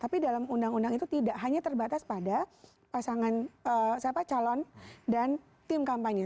tapi dalam undang undang itu tidak hanya terbatas pada pasangan siapa calon dan tim kampanye